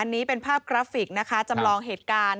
อันนี้เป็นภาพกราฟิกนะคะจำลองเหตุการณ์